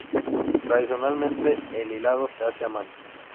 Tradicionalmente, el hilado se hace a mano.